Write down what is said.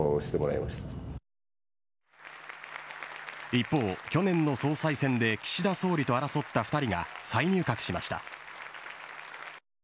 一方、去年の総裁選で岸田総理と争った２人が再入閣しました。